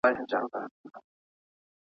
د خوړو پاتې شوني پوښلي کېږدئ.